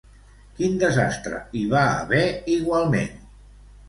Quin desastre hi va haver, igualment?